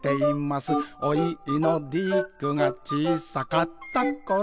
「おいのディックがちいさかったころ」